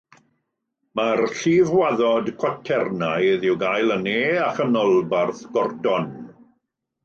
Mae'r llifwaddod cwaternaidd i'w gael yn ne a chanolbarth Gordon.